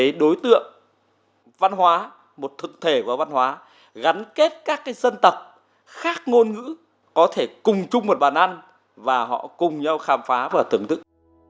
một cái đối tượng văn hóa một thực thể của văn hóa gắn kết các cái dân tộc khác ngôn ngữ có thể cùng chung một bàn ăn và họ cùng nhau khám phá và tưởng tượng